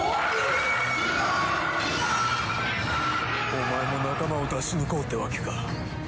お前も仲間を出し抜こうってわけか。